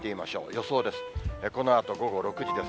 予想です。